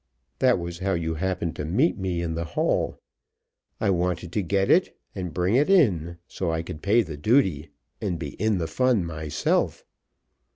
That was how you happened to meet me in the hall I wanted to get it and bring it in so I could pay the duty, and be in the fun myself.